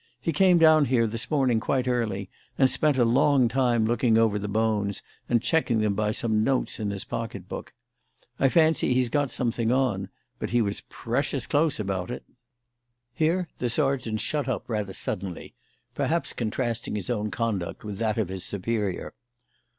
He came down here this morning quite early and spent a long time looking over the bones and checking them by some notes in his pocket book. I fancy he's got something on, but he was precious close about it." Here the sergeant shut up rather suddenly perhaps contrasting his own conduct with that of his superior.